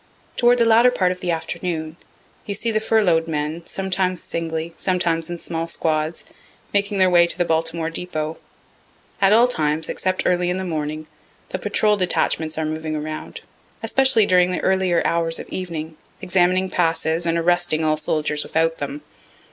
Toward the latter part of the afternoon, you see the furlough'd men, sometimes singly, sometimes in small squads, making their way to the Baltimore depot. At all times, except early in the morning, the patrol detachments are moving around, especially during the earlier hours of evening, examining passes, and arresting all soldiers without them.